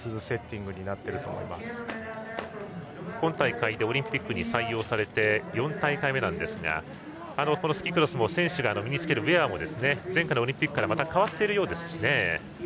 セッティングに今大会でオリンピックに採用されて４大会目なんですがこのスキークロスも選手が身につけるウエアも前回のオリンピックからまた変わっているようですしね。